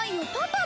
パパ！？